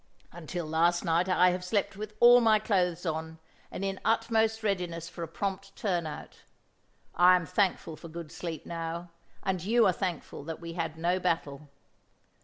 Until last night I have slept with all my clothes on and in utmost readiness for a prompt turnout. I am thankful for good sleep now, and you are thankful that we had no battle.